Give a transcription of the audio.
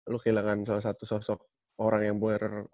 lu kehilangan salah satu sosok orang yang buer